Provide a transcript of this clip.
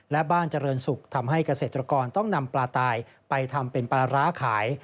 และบ้านเจริญสุขทำให้เกษตรกรต้องนำปลาตายไปทำเป็นปลาร้าขาย